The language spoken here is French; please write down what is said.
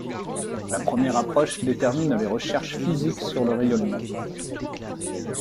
La première approche détermine les recherches physique sur le rayonnement.